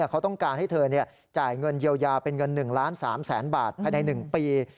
เขาต้องการให้เธอจ่ายเงินเยียวยาเป็นเงิน๑ล้าน๓แสนบาทภายใน๑ปี